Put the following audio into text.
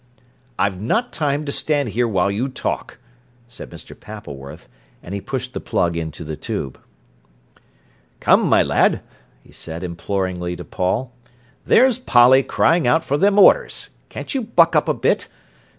"I've not time to stand here while you talk," said Mr. Pappleworth, and he pushed the plug into the tube. "Come, my lad," he said imploringly to Paul, "there's Polly crying out for them orders. Can't you buck up a bit?